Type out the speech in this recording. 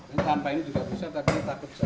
ini sampai ini juga bisa tapi takut